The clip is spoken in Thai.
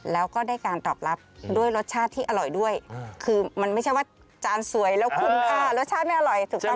แล้วก็ได้การตอบรับด้วยรสชาติที่อร่อยด้วยคือมันไม่ใช่ว่าจานสวยแล้วคุ้มค่ารสชาติไม่อร่อยถูกต้อง